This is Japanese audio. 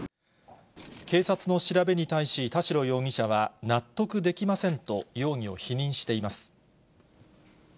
警察の調べに対し、田代容疑者は、納得できませんと、容疑を否認しています。